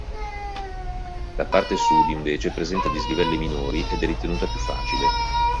La parte sud invece presenta dislivelli minori ed è ritenuta più facile.